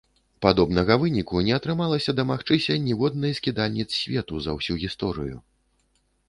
Падобнага выніку не атрымалася дамагчыся ніводнай з кідальніц свету за ўсю гісторыю.